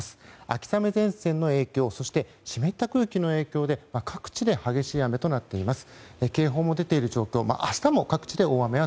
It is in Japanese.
秋雨前線の影響そして湿った空気の影響で各地で激しい雨となっています。